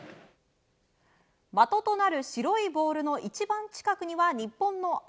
的となる白いボールの一番近くには日本の青。